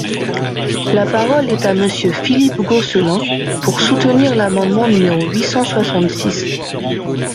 La parole est à Monsieur Philippe Gosselin, pour soutenir l’amendement numéro huit cent soixante-six.